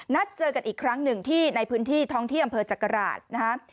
นัดเจอกันอีกครั้งหนึ่งที่ในพื้นที่ท้องที่อำเภอจักราชนะครับ